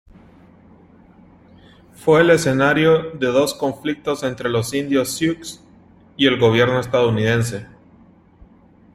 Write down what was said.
Fue el escenario de dos conflictos entre los indios Sioux y el gobierno estadounidense.